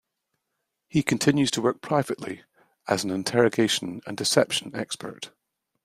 He continues to work privately as an interrogation and deception expert.